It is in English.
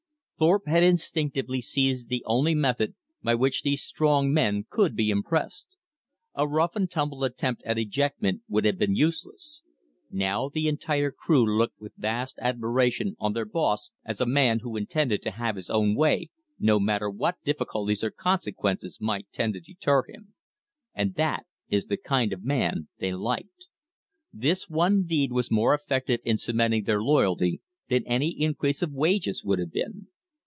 Thorpe had instinctively seized the only method by which these strong men could be impressed. A rough and tumble attempt at ejectment would have been useless. Now the entire crew looked with vast admiration on their boss as a man who intended to have his own way no matter what difficulties or consequences might tend to deter him. And that is the kind of man they liked. This one deed was more effective in cementing their loyalty than any increase of wages would have been.